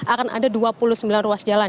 akan ada dua puluh sembilan ruas jalan